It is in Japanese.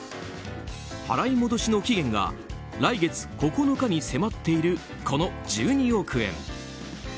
払戻の期限が来月９日に迫っている、この１２億円。